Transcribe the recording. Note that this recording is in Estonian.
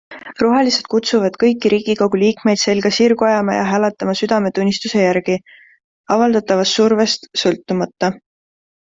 Rohelised kutsuvad kõiki riigikogu liikmeid selga sirgu ajama ja hääletama südametunnistuse järgi - avaldatavast survest sõltumata.